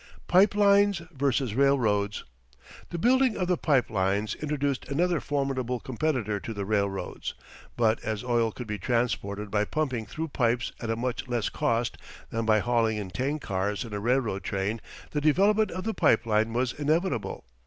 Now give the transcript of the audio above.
PIPE LINES VS. RAILROADS The building of the pipe lines introduced another formidable competitor to the railroads, but as oil could be transported by pumping through pipes at a much less cost than by hauling in tank cars in a railroad train the development of the pipe line was inevitable.